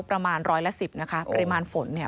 ประมาณร้อยละสิบนะคะปริมาณฝนเนี่ย